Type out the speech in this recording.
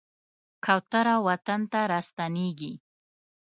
کوتره وطن ته راستنېږي.